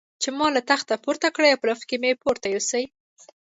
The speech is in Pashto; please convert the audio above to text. چې ما له تختې پورته کړي او په لفټ کې مې پورته یوسي.